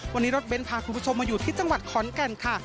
วันนี้รถเบ้นพาคุณผู้ชมมาอยู่ที่จังหวัดขอนแก่นค่ะ